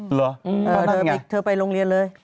เหรอต้องทำอย่างไรเธอไปโรงเรียนเลย